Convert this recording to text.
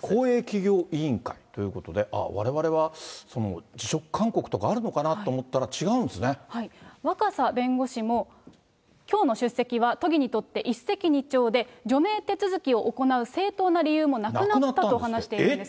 公営企業委員会ということで、われわれは辞職勧告とかあるのか若狭弁護士も、きょうの出席は都議にとって、一石二鳥で除名手続きを行う正当な理由もなくなったと話している。